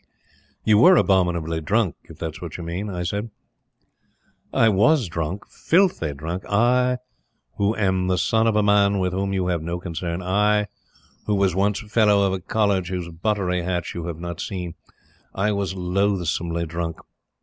"You were abominably drunk if that's what you mean," I said. "I WAS drunk filthy drunk. I who am the son of a man with whom you have no concern I who was once Fellow of a College whose buttery hatch you have not seen. I was loathsomely drunk.